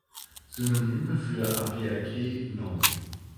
Synonyme für Apiaceae nom.